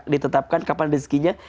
ditetapkan kapan rezekinya